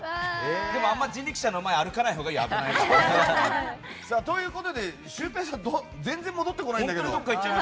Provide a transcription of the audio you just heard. あんま、人力車の前歩かないほうがいいよ。ということで、シュウペイさん全然戻ってこないんだけど。